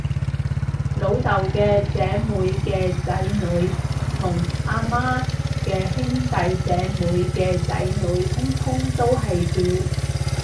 老豆嘅姐妹嘅仔女，同阿媽嘅兄弟姐妹嘅仔女，通通都係表